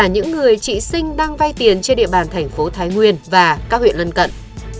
những người chị sinh đang vay tiền trên địa bàn thành phố thái nguyên và các huyện lân cận